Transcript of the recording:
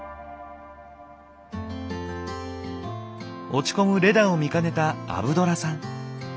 落ち込むレダを見かねたアブドラさん。